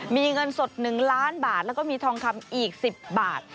มีเงินสด๑ล้านบาทแล้วก็มีทองคำอีก๑๐บาท